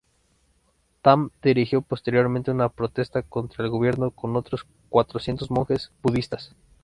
Tam dirigió posteriormente una protesta contra el gobierno con otros cuatrocientos monjes budistas.